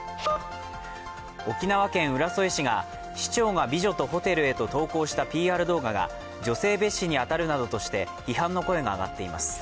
沖縄県浦添市が市長が美女とホテルへと投稿したＰＲ動画が女性蔑視に当たるなどとして批判の声が上がっています。